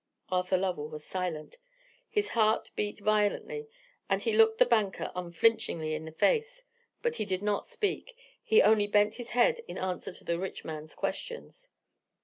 Arthur Lovell was silent, his heart beat violently, and he looked the banker unflinchingly in the face; but he did not speak, he only bent his head in answer to the rich man's questions.